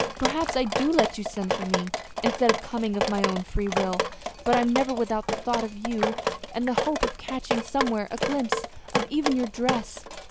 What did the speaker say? Perhaps I do let you send for me, instead of coming of my own free will; but I'm never without the thought of you, and the hope of catching somewhere a glimpse of even your dress.